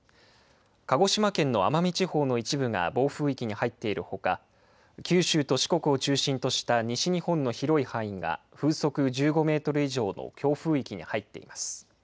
鹿児島県の奄美地方の一部が暴風域に入っているほか九州と四国を中心とした西日本の広い範囲が風速１５メートル以上の強風域に入っています。